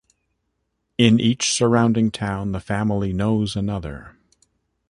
In each surrounding town, the family knows another.